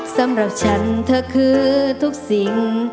สำหรับฉันเธอคือทุกสิ่ง